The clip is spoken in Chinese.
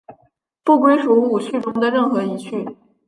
不归属五趣中的任何一趣。